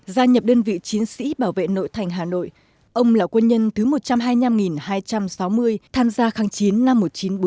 gia nhập đơn vị chiến sĩ bảo vệ nội thành hà nội ông là quân nhân thứ một trăm hai mươi năm hai trăm sáu mươi tham gia kháng chiến năm một nghìn chín trăm bốn mươi